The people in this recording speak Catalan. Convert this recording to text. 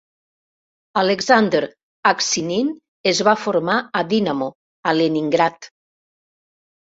Aleksandr Aksinin es va formar a Dinamo, a Leningrad.